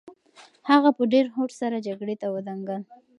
هغه په ډېر هوډ سره جګړې ته ودانګل.